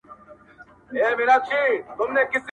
o خالق تعالی مو عجيبه تړون په مينځ کي ايښی.